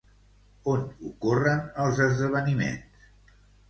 On ocorren els esdeveniments?